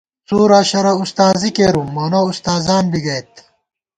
څُورعشَرہ اُستازی کېرُوم، مونہ اُستاذان بی گئیت